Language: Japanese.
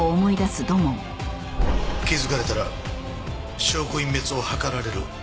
気づかれたら証拠隠滅を図られる可能性はないか？